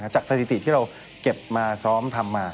สถิติที่เราเก็บมาซ้อมทำมา